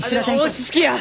落ち着きや！